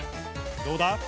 どうだ？